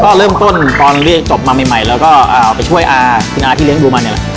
ก็เริ่มต้นตอนเรียกจบมาใหม่แล้วก็ไปช่วยอาคุณอาที่เลี้ยดูมันนี่แหละ